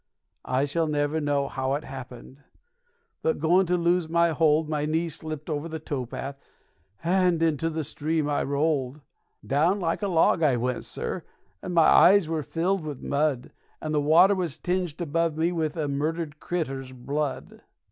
I shall never know how it happened, but goin' to lose my hold, My knees slipped over the towpath, and into the stream I rolled; Down like a log I went, sir, and my eyes were filled with mud, And the water was tinged above me with a murdered creeter's blood.